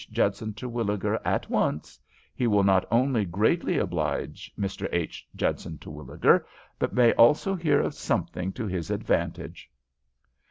Judson Terwilliger at once, he will not only greatly oblige Mr. H. Judson Terwilliger, but may also hear of something to his advantage."